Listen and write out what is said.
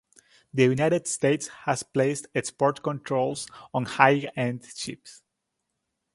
The United States has placed export controls on high-end chips.